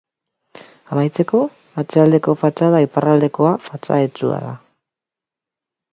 Amaitzeko, atzealdeko fatxada, iparraldekoa, fatxada itsua da.